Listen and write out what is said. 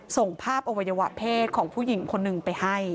ส่งภาพอวัยวะเพศของผู้หญิงคนหนึ่งไปให้